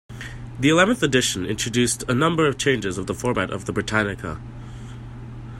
The eleventh edition introduced a number of changes of the format of the "Britannica".